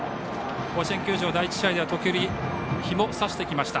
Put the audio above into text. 甲子園球場、第１試合では時折日も差してきました。